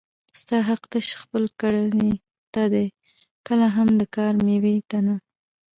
ستا حق تش خپل کړنې ته دی کله هم د کار مېوې ته نه